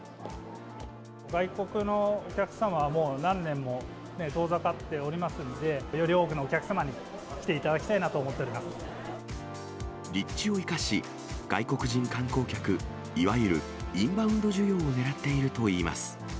外国のお客様はもう何年も遠ざかっておりますんで、より多くのお客様に来ていただきたいなと立地を生かし、外国人観光客、いわゆるインバウンド需要をねらっているといいます。